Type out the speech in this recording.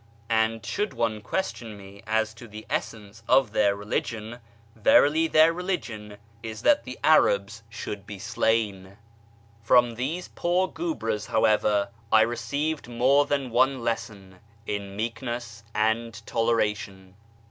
" And should one question me as to the essence of tlieir religion, Verily tlaeir religion is that the Arabs should be slain." 38o A YEAR AMONGST THE PERSIANS From these poor giiebrcs, however, I received more than cue lesson in meekness and toleration.